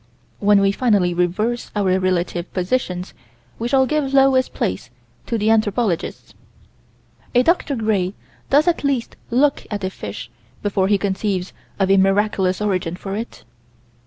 When we finally reverse our relative positions we shall give lowest place to the anthropologists. A Dr. Gray does at least look at a fish before he conceives of a miraculous origin for it.